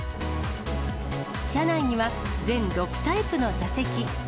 車内には、全６タイプの座席。